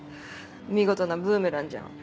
見事なブーメランじゃん。